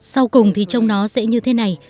sau cùng thì trồng nó sẽ như thế này